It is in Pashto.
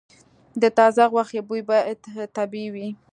د تازه غوښې بوی باید طبیعي وي.